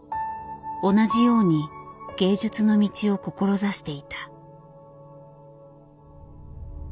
同じように芸術の道を志していた。